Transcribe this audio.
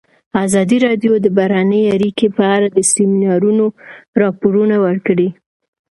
ازادي راډیو د بهرنۍ اړیکې په اړه د سیمینارونو راپورونه ورکړي.